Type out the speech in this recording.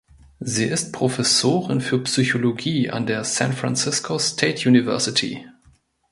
Sie ist Professorin für Psychologie an der San Francisco State University.